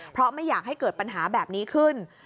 เพราะไม่อยากให้เกิดปัญหาแบบนี้ขึ้น